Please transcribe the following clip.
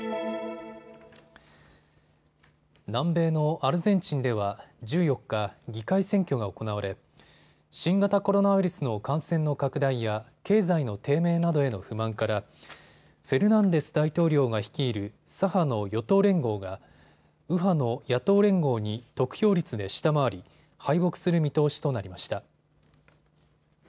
南米のアルゼンチンでは１４日、議会選挙が行われ新型コロナウイルスの感染の拡大や経済の低迷などへの不満からフェルナンデス大統領が率いる左派の与党連合が右派の野党連合に得票率で下回り敗北する見通しとなりました。